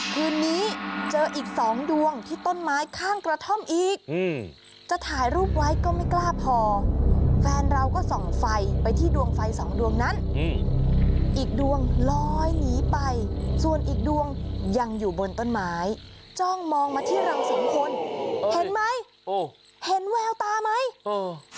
คืนนี้เจออีกสองดวงที่ต้นไม้ข้างกระท่อมอีกอืมจะถ่ายรูปไว้ก็ไม่กล้าพอแฟนเราก็ส่องไฟไปที่ดวงไฟสองดวงนั้นอีกดวงลอยหนีไปส่วนอีกดวงยังอยู่บนต้นไม้จ้องมองมาที่เราสองคนเห็นไหมโอ้เห็นแววตาไหมเออ